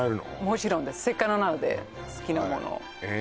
もちろんですせっかくなので好きなものをえ